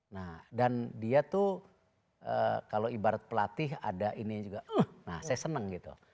nah dan dia tuh kalau ibarat pelatih ada ini juga nah saya senang gitu